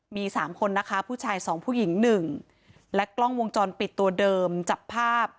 มีสามคนนะคะผู้ชายสองผู้หญิงหนึ่งและกล้องวงจรปิดตัวเดิมจับภาพ